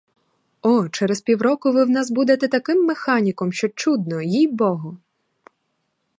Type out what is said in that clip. О, через півроку ви в нас будете таким механіком, що чудно! їй-богу!